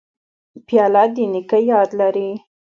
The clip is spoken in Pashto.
پیاله د نیکه یاد لري.